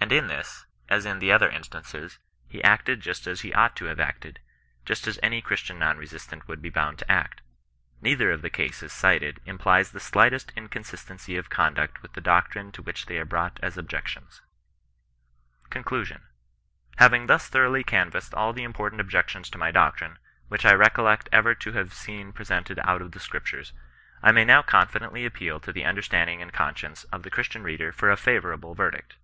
And in this, as in the other instances, he acted just as he ought to have acted — just as any Christian non resistant would be bound to act. Keither of the cases cited im plies the slightest inconsistency of conduct with the doctrine to which they are brought as objections. CONCLUSION. Having thus thoroughly canvassed all the important objections to my doctrine, which I recollect ever to have seen presented out of the Scriptures, I may now confidently appeal to the understanding and conscience of the Christian reader for a favourable verdict.